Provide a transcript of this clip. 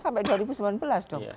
sampai dua ribu sembilan belas dong